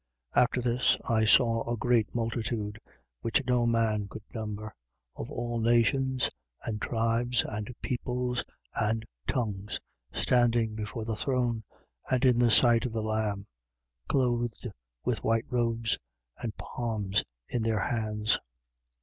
7:9. After this, I saw a great multitude, which no man could number, of all nations and tribes and peoples and tongues, standing before the throne and in sight of the Lamb, clothed with white robes, and palms in their hands.